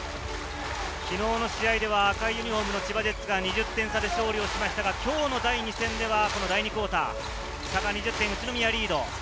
昨日の試合では赤いユニホームの千葉ジェッツが２０点差で勝利しましたが、今日の第２戦では、第２クオーター、宇都宮がリード。